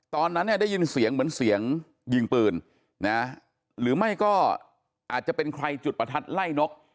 ตอนนั้นเนี่ยได้ยินเสียงเหมือนเสียงยิงปืนนะหรือไม่ก็อาจจะเป็นใครจุดประทัดไล่นก